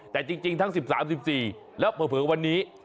แต่จริงทั้ง๑๓๑๔แล้วเผลอวันนี้